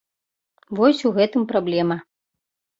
Вось у гэтым праблема.